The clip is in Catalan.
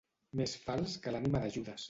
Més fals que l'ànima de Judes.